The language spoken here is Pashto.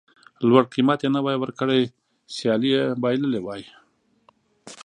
لوړ قېمت یې نه وای ورکړی سیالي یې بایللې وای.